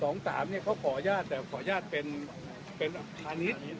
๒๓นี่เขาขอญาติแต่ขอญาติเป็นอันนี้